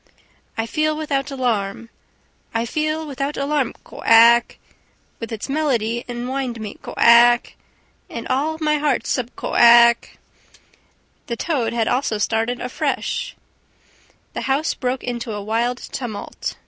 .. "I feel without alarm ... I feel without alarm co ack! With its melody enwind me co ack! And all my heart sub co ack!" The toad also had started afresh! The house broke into a wild tumult.